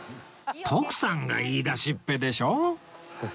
徳さんが言いだしっぺでしょ！